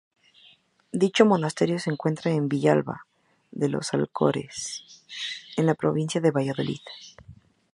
Dicho monasterio se encuentra en Villalba de los Alcores en la provincia de Valladolid.